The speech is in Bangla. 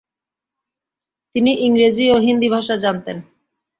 তিনি ইংরেজি ও হিন্দি ভাষা জানতেন।